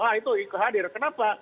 ah itu kehadir kenapa